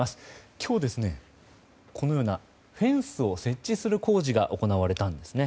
今日、このようなフェンスを設置する工事が行われたんですね。